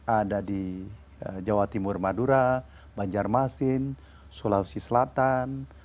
ada di jawa timur madura banjarmasin sulawesi selatan